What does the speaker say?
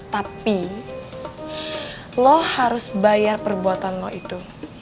tapi lo harus bayar perbuatan lo itu